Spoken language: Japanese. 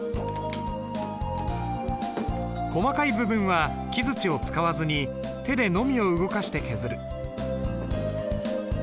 細かい部分は木づちを使わずに手でのみを動かして削る。